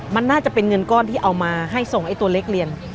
มันน่าจะเป็นเงินก้อนที่เอามาให้ส่งไอ้ตัวเล็กเรียน